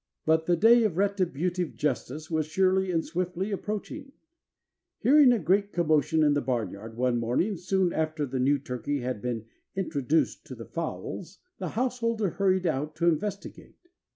But the day of retributive justice was surely and swiftly approaching. Hearing a great commotion in the barnyard one morning soon after the new turkey had been introduced to the fowls, the householder hurried out to investigate.